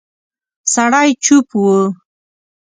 سړی چوپ و.